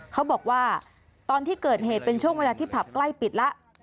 เขาบอกว่าตอนที่เกิดเหตุเป็นช่วงเวลาที่ผับใกล้ปิดแล้ว